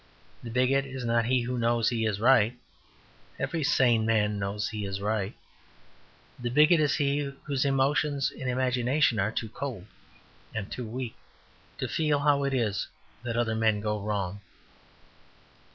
The bigot is not he who knows he is right; every sane man knows he is right. The bigot is he whose emotions and imagination are too cold and weak to feel how it is that other men go wrong.